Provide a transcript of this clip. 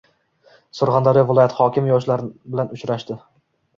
Surxondaryo viloyati hokimi yoshlar bilan uchrashdi